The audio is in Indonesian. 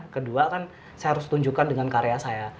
kedua kan saya harus tunjukkan dengan karya saya